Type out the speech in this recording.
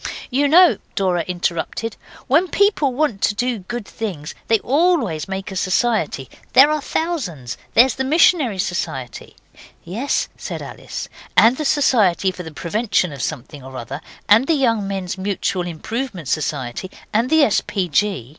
'You know,' Dora interrupted, 'when people want to do good things they always make a society. There are thousands there's the Missionary Society.' 'Yes,' Alice said, 'and the Society for the Prevention of something or other, and the Young Men's Mutual Improvement Society, and the S.P.